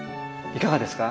いかがですか？